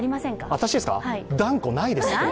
私は断固ないです。